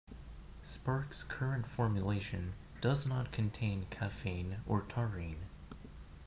Sparks' current formulation does not contain caffeine or taurine.